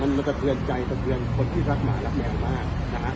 มันมันฝุนใจมันเผื่อคนที่รักหมารักแมวมากนะฮะ